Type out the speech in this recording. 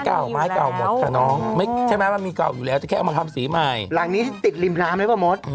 เราไม่รู้ว่าเราไปอยู่จริงนี่ใช่